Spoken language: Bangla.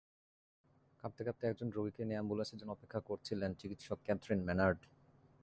কাঁপতে কাঁপতে একজন রোগীকে নিয়ে অ্যাম্বুলেন্সের জন্য অপেক্ষা করছিলেন চিকিৎসক ক্যাথরিন মেনার্ড।